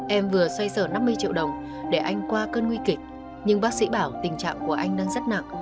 em vừa xoay sở năm mươi triệu đồng để anh qua cơn nguy kịch nhưng bác sĩ bảo tình trạng của anh đang rất nặng